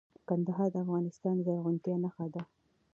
کندهار د افغانستان د زرغونتیا نښه ده.